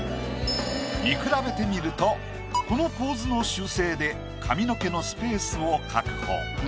見比べてみるとこの構図の修正で髪の毛のスペースを確保。